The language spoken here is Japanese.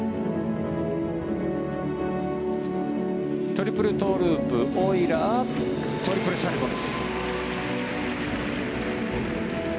トリプルトウループオイラー、トリプルサルコウ。